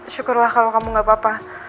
syukurlah kalau kamu gak apa apa